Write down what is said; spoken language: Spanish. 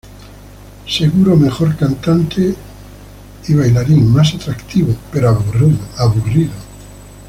Seguro mejor cantante y bailarín, más atractivo, pero aburrido.